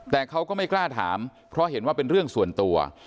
แต่เขาก็ไม่กล้าถามเพราะเห็นว่าเป็นเรื่องส่วนตัว